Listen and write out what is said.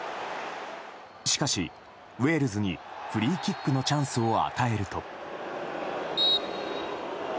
しかし、ウェールズにフリーキックのチャンスを与えると。